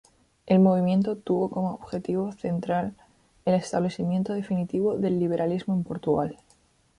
El movimiento tuvo como objetivo central el establecimiento definitivo del liberalismo en Portugal.